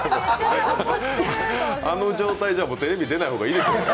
あの状態じゃテレビ出ない方がいいですね。